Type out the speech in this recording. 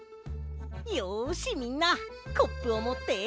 よしみんなコップをもって。